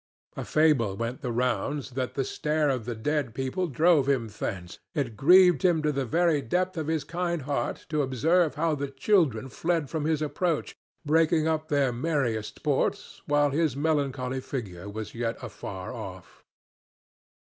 A fable went the rounds that the stare of the dead people drove him thence. It grieved him to the very depth of his kind heart to observe how the children fled from his approach, breaking up their merriest sports while his melancholy figure was yet afar off.